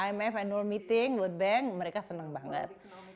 imf annual meeting world bank mereka senang banget